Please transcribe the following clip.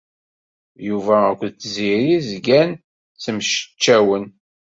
Yuba akked Tiziri zgan ttemceččawen.